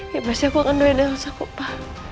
ya udah aku akan doain elsa kok pak